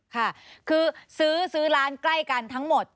ค่ะคือซื้อร้านใกล้กันทั้งหมด